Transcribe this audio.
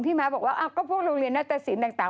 ม้าบอกว่าก็พวกโรงเรียนนัตตสินต่าง